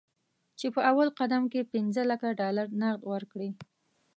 چې په اول قدم کې پنځه لکه ډالر نغد ورکړي.